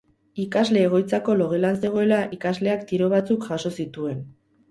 Ikasle-egoitzako logelan zegoela, ikasleak tiro batzuk jaso zituen.